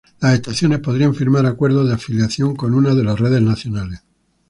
Las estaciones podrían firmar acuerdos de afiliación con una de las redes nacionales.